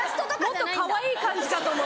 もっとかわいい感じかと。